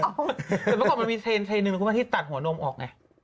แต่เมื่อก่อนมันมีเทรนด์ที่ตัดหัวโน้มออกไง